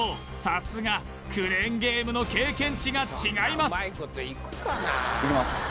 さすがクレーンゲームの経験値が違いますいきます